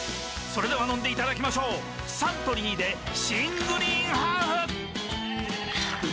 それでは飲んでいただきましょうサントリーで新「グリーンハーフ」！